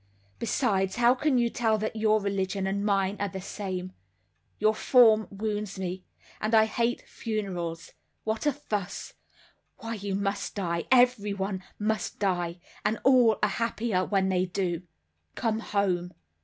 "Besides, how can you tell that your religion and mine are the same; your forms wound me, and I hate funerals. What a fuss! Why you must die—everyone must die; and all are happier when they do. Come home."